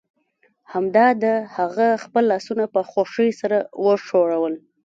همدا ده هغه خپل لاسونه په خوښۍ سره وښورول